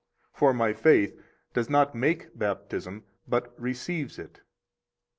For my faith does not make Baptism, but receives it.